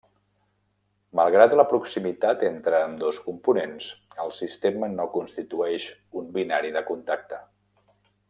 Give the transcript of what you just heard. Malgrat la proximitat entre ambdós components, el sistema no constitueix un binari de contacte.